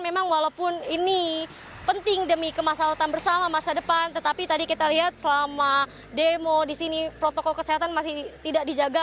memang walaupun ini penting demi kemaslahan bersama masa depan tetapi tadi kita lihat selama demo di sini protokol kesehatan masih tidak dijaga